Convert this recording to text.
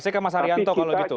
saya ke mas haryanto kalau gitu